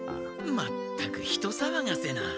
まったく人さわがせな。